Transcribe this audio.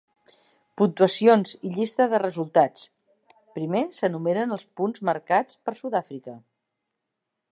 Puntuacions i llista de resultats. Primer s'enumeren els punts marcats per Sudàfrica.